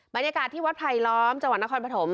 บรรยากาศที่วัดไผลล้อมจังหวัดนครปฐม